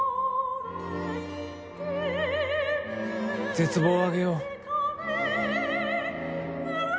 絶望をあげよう。